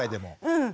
うん。